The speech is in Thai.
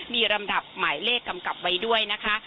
มีลำดับหมายเลขกำกับไว้ด้วยนะคะ